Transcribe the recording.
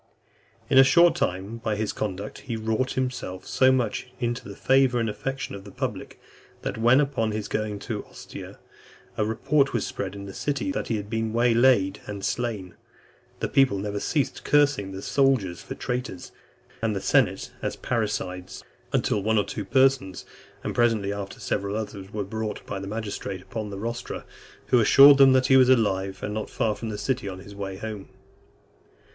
In a short time, by this conduct, he wrought himself so much into the favour and affection of the public, that when, upon his going to Ostia, a report was spread in the city that he had been way laid and slain, the people never ceased cursing the soldiers for traitors, and the senate as parricides, until one or two persons, and presently after several others, were brought by the magistrates upon the rostra, who assured them that he was alive, and not far from the city, on his way home.